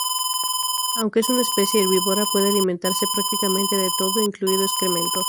Aunque es una especie herbívora, puede alimentarse prácticamente de todo, incluido excrementos.